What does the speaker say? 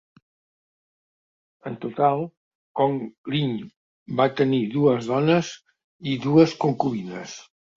En total, Kong Lingyi va tenir dues dones i dues concubines.